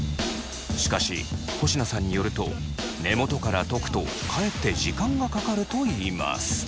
しかし保科さんによると根元からとくとかえって時間がかかるといいます。